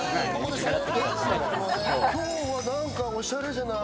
今日は何かオシャレじゃない？